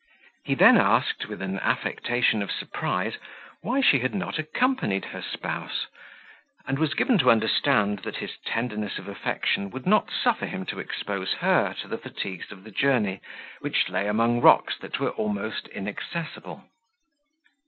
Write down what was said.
He then asked, with an affectation of surprise, why she had not accompanied her spouse, and was given to understand that his tenderness of affection would not suffer him to expose her to the fatigues of the journey, which lay among rocks that were almost inaccessible.